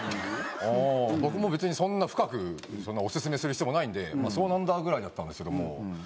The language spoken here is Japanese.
僕も別にそんな深くオススメする必要もないんで「そうなんだ」ぐらいだったんですけども。